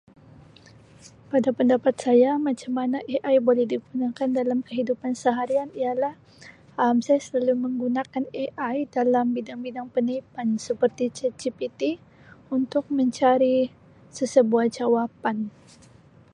Pada pendapat saya macam mana AI boleh digunakan dalam kehidupan seharian ialah Um saya selalu menggunakan AI dalam bidang-bidang [unintelligible] seperti chatgpt untuk mencari sesebuah jawapan.